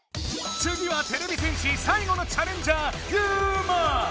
つぎはてれび戦士最後のチャレンジャーユウマ！